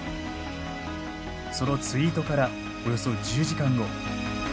そのツイートからおよそ１０時間後。